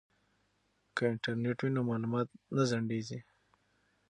که انټرنیټ وي نو معلومات نه ځنډیږي.